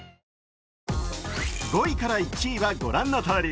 ５位から１位はご覧のとおり。